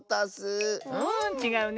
うんちがうね。